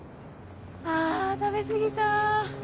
あ食べ過ぎた。